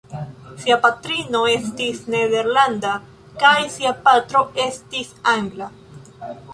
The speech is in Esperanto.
Sia patrino estis nederlanda kaj sia patro estis angla.